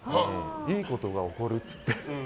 いいことが起こるっていって。